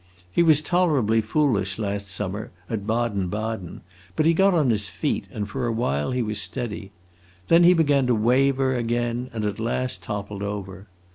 He was tolerably foolish last summer at Baden Baden, but he got on his feet, and for a while he was steady. Then he began to waver again, and at last toppled over.